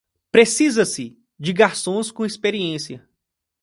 Precisa-se de garçons com experiência.